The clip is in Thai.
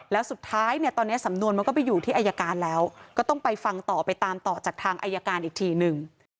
แล้วสุดท้ายเนี่ยตอนนี้สำนวนมันก็ไปอยู่ที่อายการแล้วก็ต้องไปฟังต่อไปตามต่อจากทางอายการอีกทีนึง